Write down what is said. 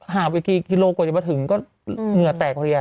หาไปกี่กิโลกรัมเลยมาถึงก็เหนือแตกพอเดียว